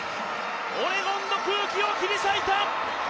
オレゴンの空気を切り裂いた。